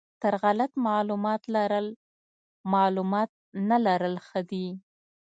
تر غلط معلومات لرل معلومات نه لرل ښه دي.